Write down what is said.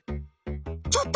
ちょっと！